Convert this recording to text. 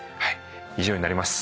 以上になります。